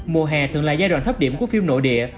mùa hè thường là giai đoạn thấp điểm của phim nội địa